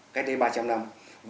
cách đây ba trăm linh năm